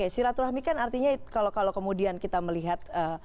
silaturahmi kan artinya kalau kemudian kita melihat